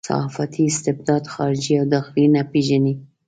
صحافتي استبداد خارجي او داخلي نه پېژني.